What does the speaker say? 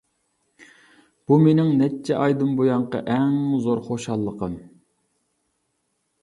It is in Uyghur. بۇ مېنىڭ نەچچە ئايدىن بۇيانقى ئەڭ زور خۇشاللىقىم.